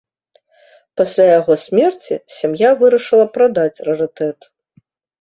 Пасля яго смерці сям'я вырашыла прадаць рарытэт.